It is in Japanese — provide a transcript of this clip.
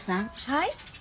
はい？